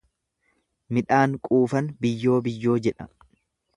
Midhaan quufan biyyoo biyyoo jedha.